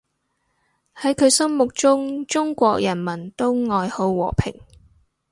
喺佢心目中，中國人民都愛好和平